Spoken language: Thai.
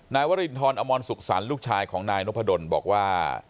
นายวรินทรอมรสุขสรรค์ลูกชายของนายนพดลบอกว่า